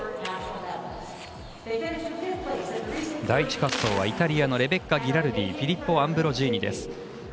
第１滑走はイタリアのレベッカ・ギラルディフィリッポ・アンブロジーニです。